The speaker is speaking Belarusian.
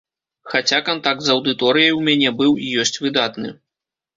Хаця, кантакт з аўдыторыяй у мяне быў і ёсць выдатны.